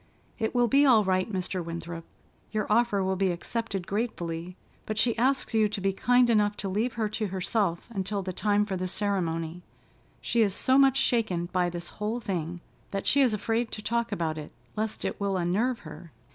"It will be all right, Mr. Winthrop. Your offer will be accepted gratefully, but she asks you to be kind enough to leave her to herself until the time for the ceremony. She is so much shaken by this whole thing that she is afraid to talk about it, lest it will unnerve her.